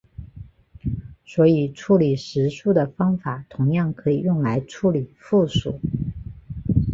所以处理实数的方法同样可以用来处理复数。